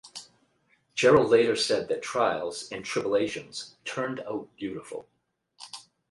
Gerrold later said that "Trials and Tribble-ations" "turned out beautiful.